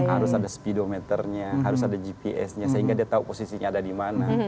harus ada speedometernya harus ada gps nya sehingga dia tahu posisinya ada di mana